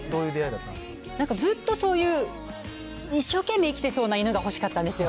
なんかずっとそういう一生懸命生きてそうな犬が欲しかったんですよ。